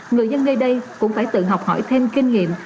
người dân nơi đây cũng phải tự học hỏi thêm kinh nghiệm